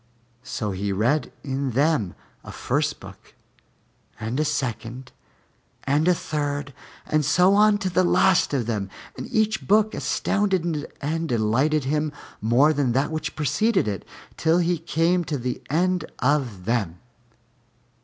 So he read in them a first book and a second and a third and so on to the last of them, and each book astounded and delighted him more than that which preceded it, till he came to the end of them.